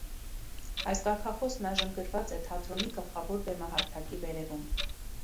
Այս կարգախոսն այժմ գրված է թատրոնի գլխավոր բեմահարթակի վերևում։